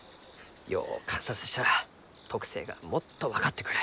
よう観察したら特性がもっと分かってくる。